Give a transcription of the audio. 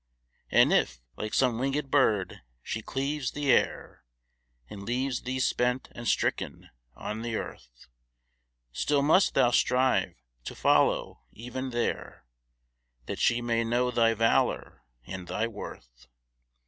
And if, like some winged bird she cleaves the air, And leaves thee spent and stricken on the earth, Still must thou strive to follow even there, That she may know thy valor and thy worth.